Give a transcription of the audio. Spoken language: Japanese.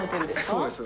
そうです。